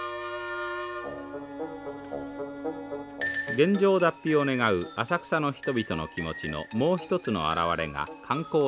現状脱皮を願う浅草の人々の気持ちのもう一つの表れが観光タワーです。